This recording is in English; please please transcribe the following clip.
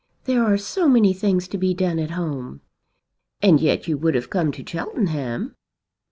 "There are so many things to be done at home." "And yet you would have come to Cheltenham."